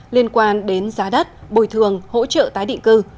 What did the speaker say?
liên quan đến giá đất bồi thường hỗ trợ tái định cư